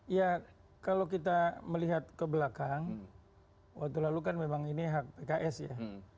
ya kalau kita melihat ke belakang waktu lalu kan memang ini hak pks ya